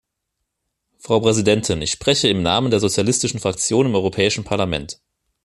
Frau Präsidentin, ich spreche im Namen der sozialistischen Fraktion im Europäischen Parlament.